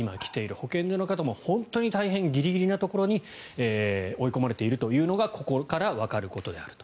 保健所の方も本当に大変ギリギリなところに追い込まれているというのがここからわかることであると。